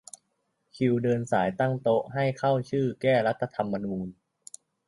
คิวเดินสายตั้งโต๊ะให้เข้าชื่อ แก้รัฐธรรมนูญ